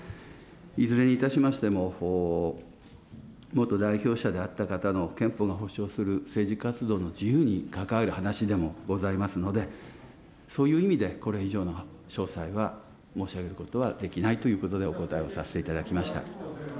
いずれにいたしましても、元代表者であった方の憲法の保障する政治活動の自由に関わる話でもございますので、そういう意味で、これ以上の詳細は申し上げることはできないということでお答えを後藤祐一君。